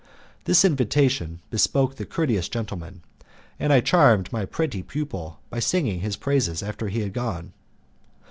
This invitation bespoke the courteous gentleman, and I charmed my pretty pupil by singing his praises after he had gone.